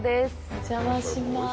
お邪魔します。